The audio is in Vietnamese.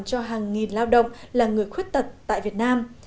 cho hàng nghìn lao động là người khuyết tật tại việt nam